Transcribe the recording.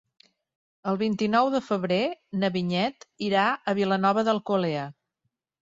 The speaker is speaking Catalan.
El vint-i-nou de febrer na Vinyet irà a Vilanova d'Alcolea.